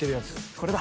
これだ。